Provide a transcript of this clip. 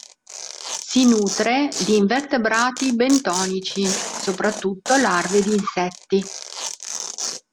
Si nutre di invertebrati bentonici, soprattutto larve di insetti..